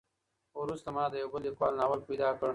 وروسته ما د يوه بل ليکوال ناول پيدا کړ.